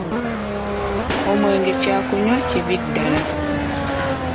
Omwenge kyakunywa kibi ddala.